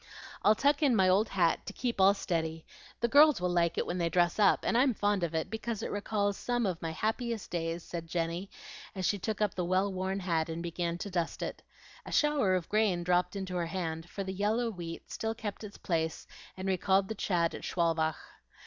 "I'll tuck in my old hat to keep all steady; the girls will like it when they dress up, and I'm fond of it, because it recalls some of my happiest days," said Jenny, as she took up the well worn hat and began to dust it. A shower of grain dropped into her hand, for the yellow wheat still kept its place and recalled the chat at Schwalbach.